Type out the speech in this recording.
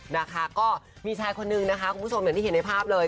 นะคะก็มีชายคนนึงนะคะคุณผู้ชมอย่างที่เห็นในภาพเลย